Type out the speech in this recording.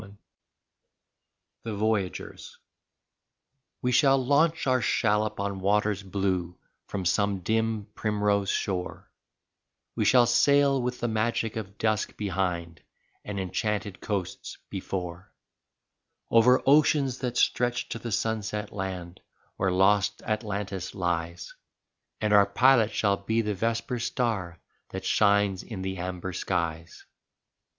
38 THE VOYAGERS We shall launch our shallop on waters blue from some dim primrose shore, We shall sail with the magic of dusk behind and en chanted coasts before, Over oceans that stretch to the sunset land where lost Atlantis lies, And our pilot shall be the vesper star that shines in the amber skies.